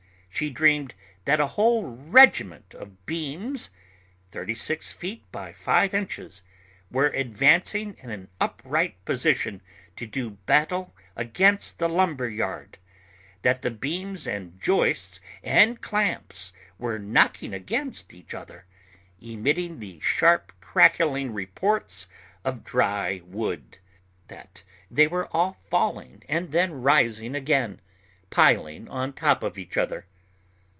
She dreamed that a whole regiment of beams, 36 ft. x 5 in., were advancing in an upright position to do battle against the lumber yard; that the beams and joists and clamps were knocking against each other, emitting the sharp crackling reports of dry wood, that they were all falling and then rising again, piling on top of each other.